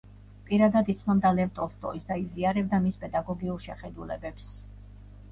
პირადად იცნობდა ლევ ტოლსტოის და იზიარებდა მის პედაგოგიურ შეხედულებებს.